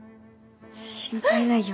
心配ないよ